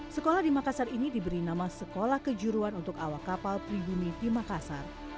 sekolah di makassar ini diberi nama sekolah kejuruan untuk awak kapal pribumi di makassar